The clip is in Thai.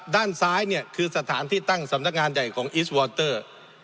ด้านซ้ายเนี่ยคือสถานที่ตั้งสำนักงานใหญ่ของอิสวอเตอร์